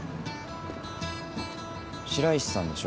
白石さんでしょ